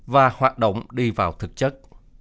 và hoạt động đi vào thực chất